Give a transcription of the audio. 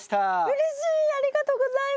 うれしい！